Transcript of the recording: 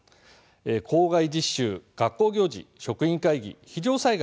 校外実習、学校行事、職員会議非常災害